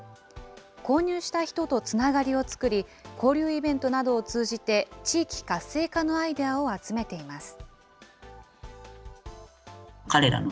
購入した人とつながりをつくり、交流イベントなどを通じて地域活性化のアイデアを集めています。